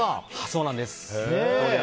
そうなんです。